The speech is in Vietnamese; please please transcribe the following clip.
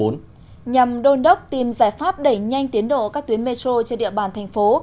nhằm đôn đốc tìm giải pháp đẩy nhanh tiến độ các tuyến metro trên địa bàn thành phố